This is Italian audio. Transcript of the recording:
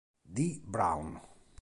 Dee Brown